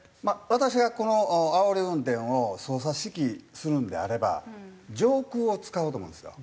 私がこのあおり運転を捜査指揮するんであれば上空を使うと思うんですよ。